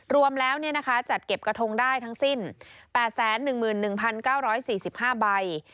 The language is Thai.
รวมแล้วจัดเก็บกระทงได้ทั้งสิ้น๘๑๑๙๔๕ใบ